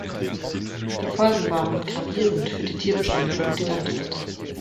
Die Folgen waren gravierend für die Tierbestände und die Landwirte.